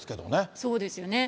そうですよね。